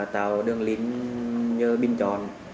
tạo đường link nhờ bình chọn